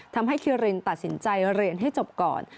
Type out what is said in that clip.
ทำให้คิรินตัดสินใจเรียนให้จบก่อน